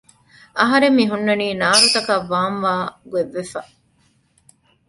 އަހަރެން މިހުންނަނީ ނާރުތަކަށް ވާން ވާ ގޮތްވެފަ